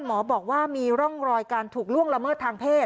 หมอบอกว่ามีร่องรอยการถูกล่วงละเมิดทางเพศ